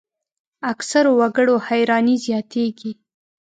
اکثرو وګړو حیراني زیاتېږي.